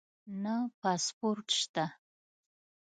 نه پاسپورټ شته